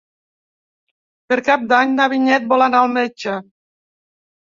Per Cap d'Any na Vinyet vol anar al metge.